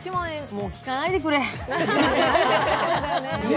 もう聞かないでくれ。